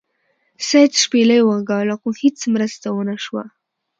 سید شپیلۍ وغږوله خو هیڅ مرسته ونه شوه.